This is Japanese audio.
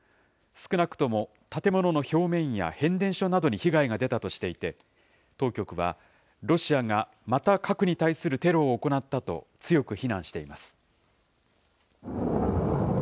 少なくとも建物の表面や変電所などに被害が出たとしていて、当局はロシアがまた核に対するテロを行ったと、強く非難しています。